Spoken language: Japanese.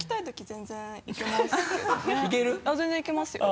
全然行けますよ。